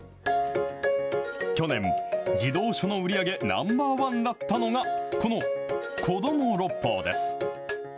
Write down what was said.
去年、児童書の売り上げナンバー１だったのがこのこども六法です。